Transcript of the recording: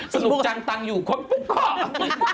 สนุกจังตังอยู่ข้อยปุ๊กโกะ